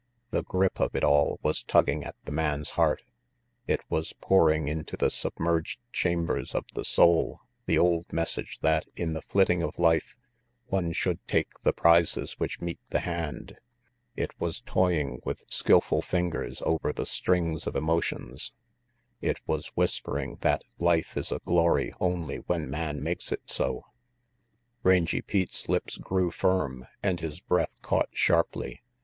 The grip of it all was tugging at the man's heart; it was pouring into the submerged chambers of the soul the old message that in the flitting of life one should take the prizes which meet the hand; it was toying with skilful fingers over the strings of emo tions; it was whispering that life is a glory only when man makes it so. Rangy Pete's lips grew firm and his breath caught sharply.